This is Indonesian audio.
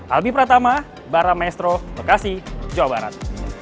albi pratama barra maestro bekasi jawa barat